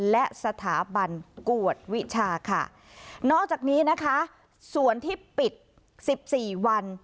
และสถาบันกวดวิชาค่ะนอกจากนี้นะคะส่วนที่ปิดสิบสี่วัน